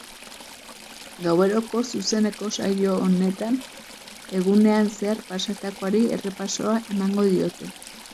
Gaueroko zuzeneko saio honetan, egunean zehar pasatakoari errepasoa emango diote.